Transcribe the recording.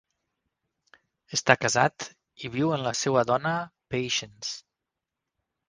Està casat i viu amb la seva dona, Patience.